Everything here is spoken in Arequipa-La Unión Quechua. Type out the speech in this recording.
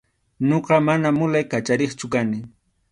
Ñuqa mana mulay kachariqchu kani.